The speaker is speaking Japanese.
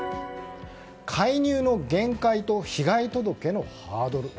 介入の限界と被害届のハードル。